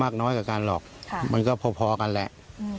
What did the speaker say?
มากน้อยกับการหลอกค่ะมันก็พอพอกันแหละอืม